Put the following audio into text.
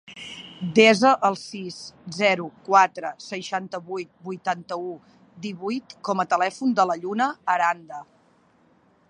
Desa el sis, zero, quatre, seixanta-vuit, vuitanta-u, divuit com a telèfon de la Lluna Aranda.